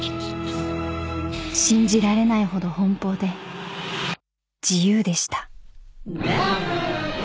［信じられないほど奔放で自由でした］